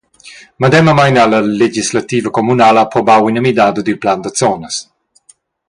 Medemamein ha la legislativa communala approbau ina midada dil plan da zonas.